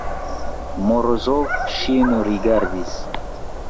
Morozov ŝin rigardis.